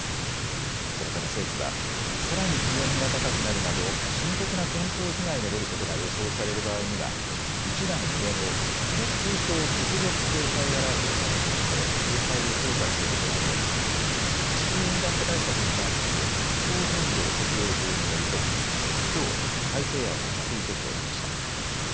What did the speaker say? そのため政府はさらに気温が高くなるなど深刻な健康被害が出ることが予想される場合には一段上の熱中症特別警戒アラートを発表して警戒を強化することなど地球温暖化対策に関する気候変動適応法に盛り込みきょう改正案を閣議決定しました。